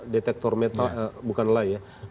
detektor metal bukan lelai ya